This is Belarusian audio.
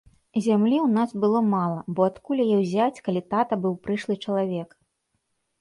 Зямлі ў нас было мала, бо адкуль яе ўзяць, калі тата быў прышлы чалавек.